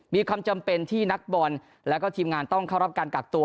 มีความจำเป็นที่นักบอลแล้วก็ทีมงานต้องเข้ารับการกักตัว